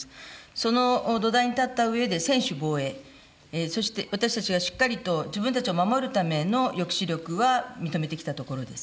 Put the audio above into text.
その土台に立ったうえで専守防衛、そして私たちがしっかりと自分たちを守るための抑止力は認めてきたところです。